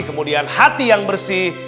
kemudian hati yang bersih